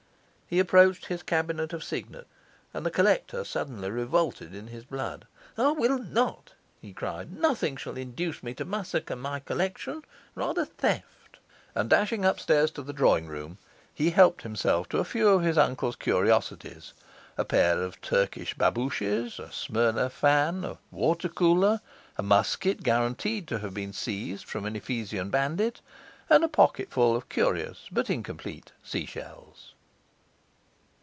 He approached his cabinet of signets, and the collector suddenly revolted in his blood. 'I will not!' he cried; 'nothing shall induce me to massacre my collection rather theft!' And dashing upstairs to the drawing room, he helped himself to a few of his uncle's curiosities: a pair of Turkish babooshes, a Smyrna fan, a water cooler, a musket guaranteed to have been seized from an Ephesian bandit, and a pocketful of curious but incomplete seashells.